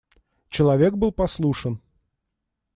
Человек был послушен.